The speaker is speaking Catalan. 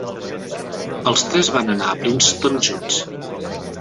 Els tres van anar a Princeton junts.